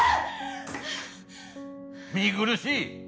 見苦しい！